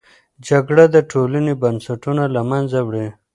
جګړه د ټولنې بنسټونه له منځه وړي.